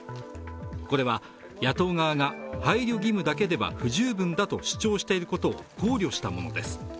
これは野党側が配慮義務だけでは不十分だと主張していることを考慮したものです。